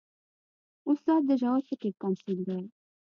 استاد د ژور فکر تمثیل دی.